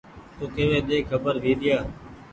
تو ڪيوي ۮي کبر ويريآ